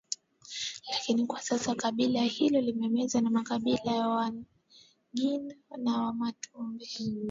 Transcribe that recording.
lakini kwa sasa kabila hilo limemezwa na makabila ya Wangindo na Wamatumbi